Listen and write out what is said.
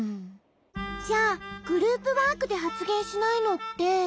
じゃあグループワークではつげんしないのって。